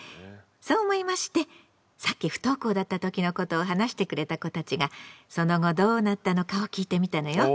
そう思いましてさっき不登校だった時のことを話してくれた子たちがその後どうなったのかを聞いてみたのよ。